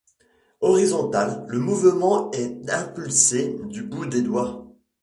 Horizontal, le mouvement est impulsé du bout des doigts.